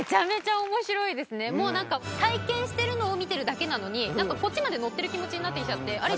もうなんか体験してるのを見てるだけなのにこっちまで乗ってる気持ちになってきちゃって「あれ？